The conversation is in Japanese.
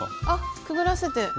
あっくぐらせて？